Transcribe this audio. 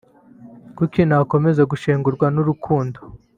Kuki nakomeza gushengurwa n’urukundo